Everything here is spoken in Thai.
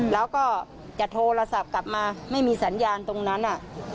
แล้วก็จะโทรศัพท์กลับมาไม่มีสัญญาณตรงนั้น